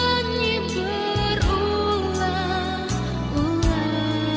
ku nyanyi berulang ulang